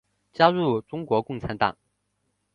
加入中国共产党。